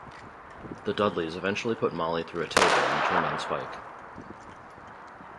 The Dudleys eventually put Molly through a table and turned on Spike.